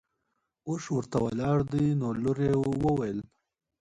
اوښ ورته ولاړ دی نو لور یې وویل.